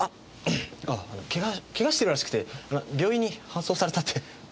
あ怪我怪我してるらしくて病院に搬送されたって。